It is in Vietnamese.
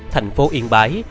thành phố yên bái